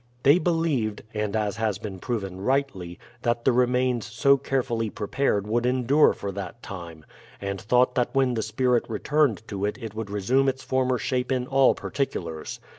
They believed, and as has been proved rightly, that the remains so carefully prepared would endure for that time, and thought that when the spirit returned to it it would resume its former shape in all particulars.